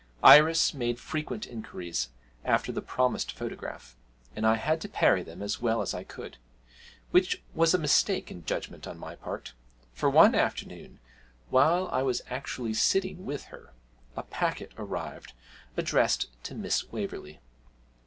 Iris made frequent inquiries after the promised photograph, and I had to parry them as well as I could which was a mistake in judgment on my part, for one afternoon while I was actually sitting with her, a packet arrived addressed to Miss Waverley.